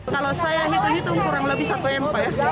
kalau saya hitung hitung kurang lebih satu mp